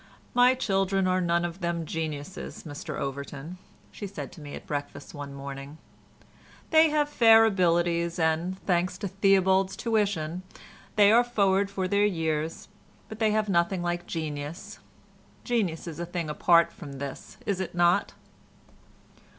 "My children are none of them geniuses, Mr Overton," she said to me at breakfast one morning. "They have fair abilities, and, thanks to Theobald's tuition, they are forward for their years, but they have nothing like genius: genius is a thing apart from this, is it not?"